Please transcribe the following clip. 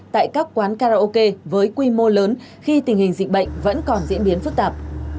tại các quán karaoke với quy mô lớn khi tình hình dịch bệnh vẫn còn diễn biến phức tạp